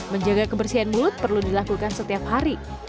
menjaga kebersihan mulut perlu dilakukan setiap hari